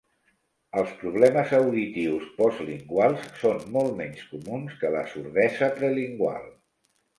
Els problemes auditius postlinguals són molt menys comuns que la sordesa prelingual.